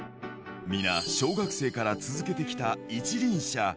皆、小学生から続けてきた一輪車。